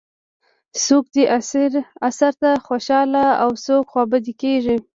څوک دې اثر ته خوشاله او څوک خوابدي کېږي.